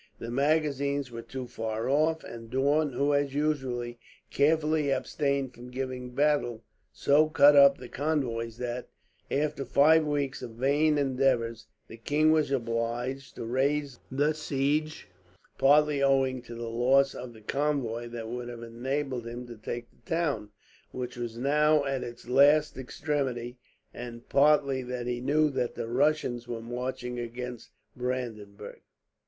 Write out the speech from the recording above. The magazines were too far off, and Daun, who as usual carefully abstained from giving battle, so cut up the convoys that, after five weeks of vain endeavours, the king was obliged to raise the siege; partly owing to the loss of the convoy that would have enabled him to take the town, which was now at its last extremity; and partly that he knew that the Russians were marching against Brandenburg.